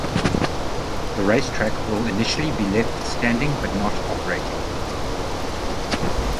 The racetrack will initially be left standing but not operating.